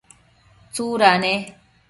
tsuda ne?